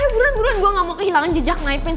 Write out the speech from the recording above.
ya buruan buruan gue ga mau kehilangan jejak naipin